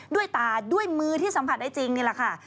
ด้วยตาด้วยมือที่สัมผัสได้จริงนี่แหละค่ะ